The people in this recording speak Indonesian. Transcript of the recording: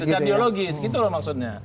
secara ideologis gitu loh maksudnya